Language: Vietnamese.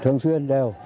thường xuyên đều